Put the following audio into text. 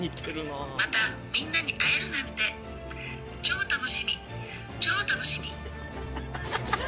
またみんなに会えるなんて超楽しみ超楽しみ。